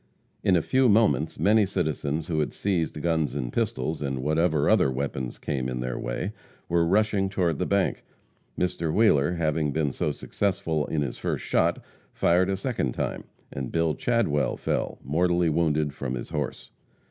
In a few moments many citizens who had seized guns and pistols, and whatever other weapons came in their way, were rushing toward the bank. Mr. Wheeler having been so successful in his first shot, fired a second time, and Bill Chadwell fell, mortally wounded, from his horse.